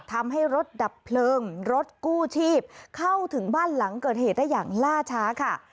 ทำให้รถดับเพลิงรถกู้ชีพเข้าถึงบ้านหลังเกิดเหตุได้อย่างล่าช้าค่ะ